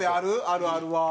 あるあるは。